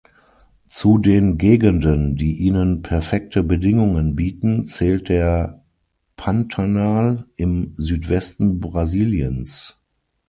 Zu den Gegenden, die ihnen perfekte Bedingungen bieten, zählt der Pantanal im Südwesten Brasiliens.